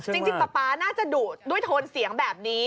ป๊าป๊าน่าจะดุด้วยโทนเสียงแบบนี้